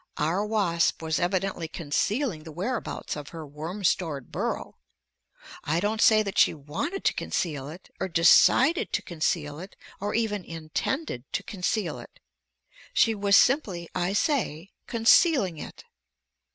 Our wasp was evidently concealing the whereabouts of her worm stored burrow. I don't say that she wanted to conceal it; or decided to conceal it; or even intended to conceal it. She was simply, I say, concealing it.